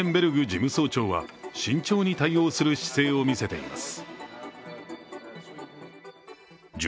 事務総長は慎重に対応する姿勢を見せています。